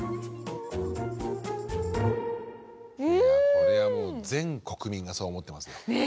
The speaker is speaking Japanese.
これはもう全国民がそう思ってますね。